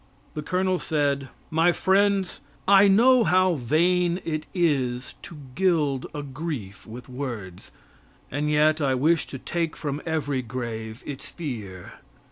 The colonel said: My Friends: I know how vain it is to gild a grief with words, and yet I wish to take from every grave its fear.